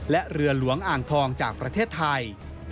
และเรือหลวงอ่างทองจากประเทศไทย